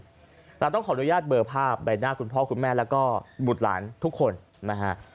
เราต้องขออนุญาตเบอร์ภาพใบหน้าคุณพ่อคุณแม่แล้วก็บุตรหลานทุกคนนะฮะ